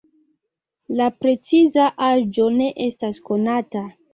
La preciza aĝo ne estas konata.